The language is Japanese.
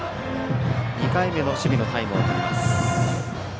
２回目の守備のタイムをとります。